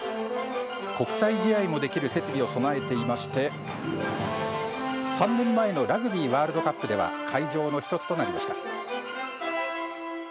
国際試合もできる設備を整えていまして、３年前のラグビーワールドカップでは会場の１つとなりました。